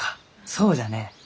そうじゃね。